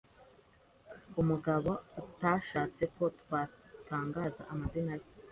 Umugabo utashatse ko twatangaza amazina ye